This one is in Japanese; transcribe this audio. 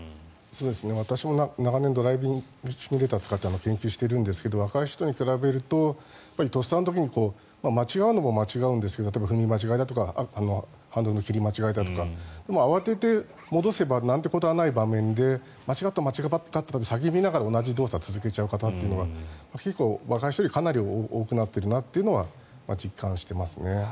私も長年ドライビングシミュレーターを使って研究しているんですが若い人に比べると、とっさの時に間違うのも間違うんですが踏み間違いだとかハンドルの切り間違えだとか慌てて戻せばなんてことはない場面で間違った間違ったと叫びながら同じ動作を続けちゃう方が結構、若い人よりかなり多くなっているなとは実感してますね。